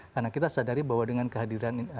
karena kita sadari bahwa dengan kehadiran